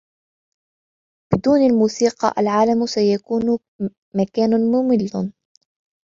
بدون الموسيقى, العالم سيكون كمان مُمِل.